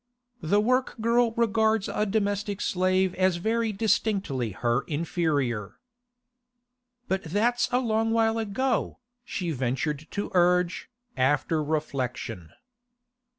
The work girl regards a domestic slave as very distinctly her inferior. 'But that's a long while ago,' she ventured to urge, after reflection.